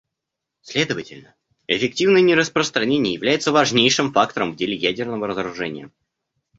Следовательно, эффективное нераспространение является важнейшим фактором в деле ядерного разоружения.